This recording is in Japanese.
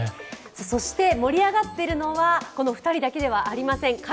そして、盛り上がっているのはこの２人だけではありません。